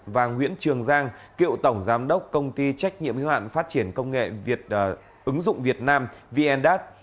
và nguyễn trường giang cựu tổng giám đốc công ty trách nhiệm hữu hạn phát triển công nghệ việt ứng dụng việt nam vndat